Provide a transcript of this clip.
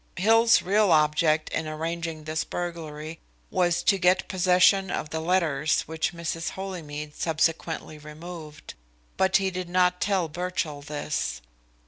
Hill's real object in arranging this burglary was to get possession of the letters which Mrs. Holymead subsequently removed, but he did not tell Birchill this.